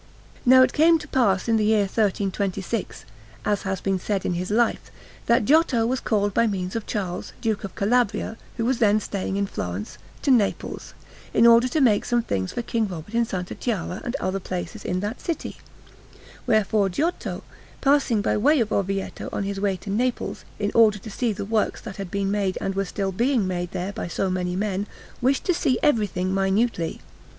Now it came to pass in the year 1326, as it has been said in his Life, that Giotto was called by means of Charles, Duke of Calabria, who was then staying in Florence, to Naples, in order to make some things for King Robert in S. Chiara and other places in that city; wherefore Giotto, passing by way of Orvieto on his way to Naples, in order to see the works that had been made and were still being made there by so many men, wished to see everything minutely.